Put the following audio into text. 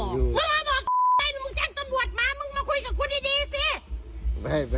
มึงมาบอกเต้นมึงแจ้งตำรวจมามึงมาคุยกับคุณดีสิ